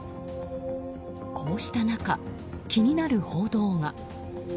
こうした中、気になる報道が。